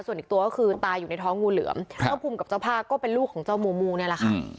ส่วนอีกตัวก็คือตายอยู่ในท้องงูเหลือมเจ้าภูมิกับเจ้าผ้าก็เป็นลูกของเจ้ามูมูนี่แหละค่ะ